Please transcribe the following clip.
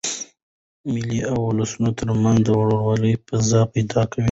مېلې د اولسونو تر منځ د ورورولۍ فضا پیدا کوي.